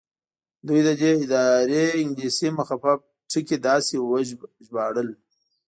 دوی د دې ادارې انګلیسي مخفف ټکي داسې ژباړل.